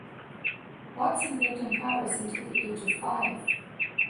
Watson lived in Paris until the age of five.